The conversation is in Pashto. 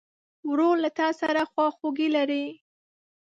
ورور له تا سره خواخوږي لري.